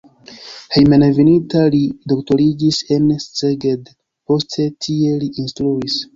Hejmenveninta li doktoriĝis en Szeged, poste tie li instruis.